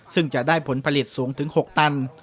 ซึ่งจะได้ผลผลิตสูงถึง๖ตัน